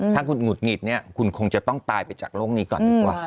ถ้าคุณหุดหงิดเนี่ยคุณคงจะต้องตายไปจากโลกนี้ก่อนดีกว่า